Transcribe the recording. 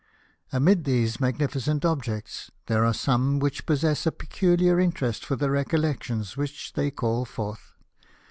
Amid these magnificent objects there are some which possess a peculiar mterest for the recollections which they call forth.